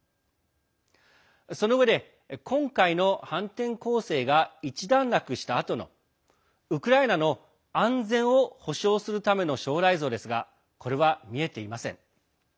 そのうえで、今回の反転攻勢が一段落したあとのウクライナの安全を保障するための将来像ですがこれは見えていません。